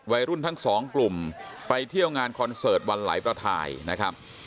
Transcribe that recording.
วัยรุ่นทั้งสองกลุ่มไปเที่ยวงานคอนเสิร์ตวันไหลประทายนะครับ